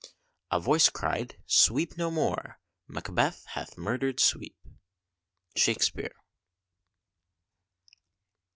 "A voice cried Sweep no more! Macbeth hath murdered sweep." SHAKSPEARE.